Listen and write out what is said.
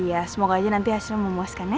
iya semoga aja nanti hasilnya memuaskan ya